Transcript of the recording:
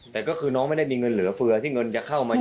แต่ก็คือน้องไม่ได้มีเงินเหลือเฟือที่เงินจะเข้ามาเยอะ